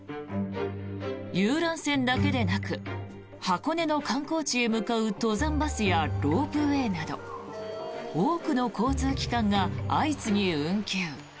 遊覧船だけでなく箱根の観光地へ向かう登山バスやロープウェーなど多くの交通機関が相次ぎ運休。